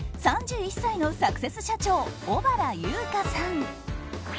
３１歳のサクセス社長小原優花さん。